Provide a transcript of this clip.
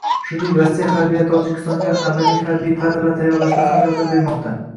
Shuningdek, Rossiya harbiylari Tojikistonga malakali harbiy kadrlar tayyorlashda ham yordam bermoqda